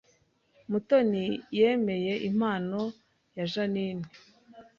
Mutoni yemeye impano ya Jeaninne